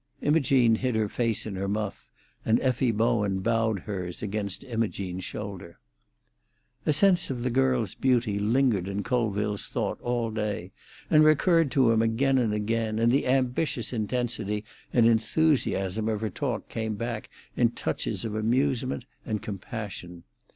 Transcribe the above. Imogene hid her face in her muff, and Effie Bowen bowed hers against Imogene's shoulder. A sense of the girl's beauty lingered in Colville's thought all day, and recurred to him again and again; and the ambitious intensity and enthusiasm of her talk came back in touches of amusement and compassion.